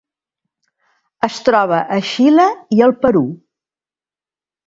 Es troba a Xile i el Perú.